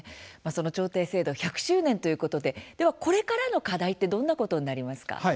調停制度１００周年ということででは、これからの課題ってどんなことになりますか？